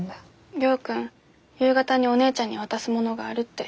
亮君夕方にお姉ちゃんに渡すものがあるって。